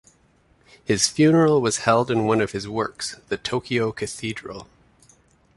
His funeral was held in one of his works, the Tokyo Cathedral.